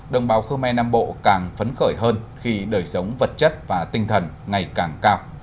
đồng bào khơ me nam bộ càng phấn khởi hơn khi đời sống vật chất và tinh thần ngày càng cao